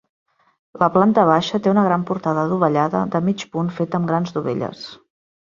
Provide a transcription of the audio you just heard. La planta baixa té una gran portada adovellada de mig punt feta amb grans dovelles.